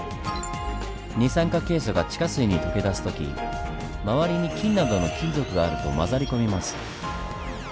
二酸化ケイ素が地下水に溶け出す時周りに金などの金属があると混ざり込みます。